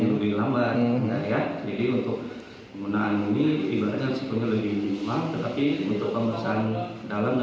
lebih lambat jadi untuk menggunakan ini ibaratnya seperti lebih cuma tetapi untuk pembesaran dalam